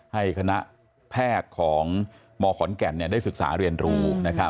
ให้คณะแพทย์ของมขอนแก่นได้ศึกษาเรียนรู้